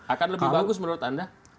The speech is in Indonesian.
akan lebih bagus menurut anda